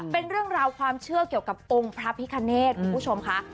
เป็นเรื่องราวความเชื่อเกี่ยวกับองค์พระพิคเนธคุณผู้ชมค่ะ